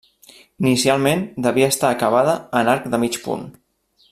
Inicialment devia estar acabada en arc de mig punt.